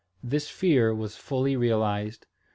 This fear was fully realised.